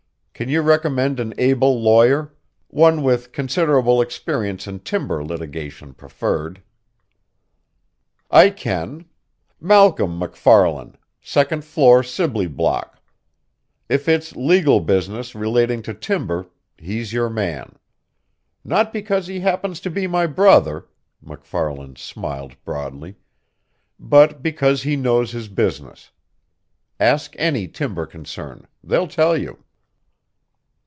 "Can you recommend an able lawyer one with considerable experience in timber litigation preferred?" "I can. Malcolm MacFarlan, second floor Sibley Block. If it's legal business relating to timber, he's your man. Not because he happens to be my brother," MacFarlan smiled broadly, "but because he knows his business. Ask any timber concern. They'll tell you."